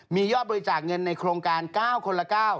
มียอดบริจาคเงินในโครงการ๙คนละ๙